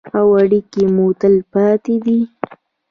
او اړیکې مو تلپاتې دي.